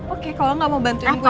oke kalau nggak mau bantuin gue